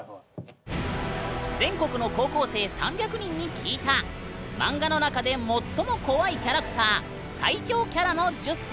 全国の高校生３００人に聞いたマンガの中で最も怖いキャラクター最恐キャラの１０選。